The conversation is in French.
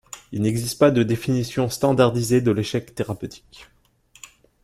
Il n'existe pas de définition standardisée de l'échec thérapeutique.